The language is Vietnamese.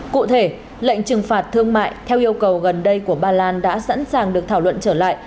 cụ thể lệnh trừng phạt thương mại theo yêu cầu gần đây của ba lan đã sẵn sàng được thảo luận trở lại